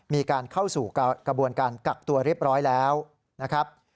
มีการเข้าสู่กระบวนการกักตัวเรียบร้อยแล้วนะครับ